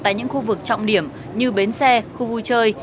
tại những khu vực trọng điểm như bến xe khu vui chơi